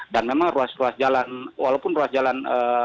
dan memang ruas ruas jalan walaupun ruas jalan